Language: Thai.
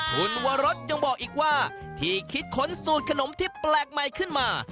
คุณวรสยังบอกอีกว่าที่คิดค้นสูตรขนมที่แปลกใหม่ขึ้นมา